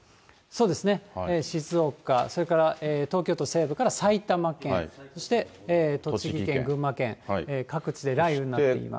そうですね、静岡、それから東京都西部から埼玉県、そして栃木県、群馬県、各地で雷雨になっています。